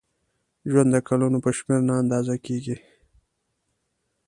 ژوند د کلونو په شمېر نه اندازه کېږي.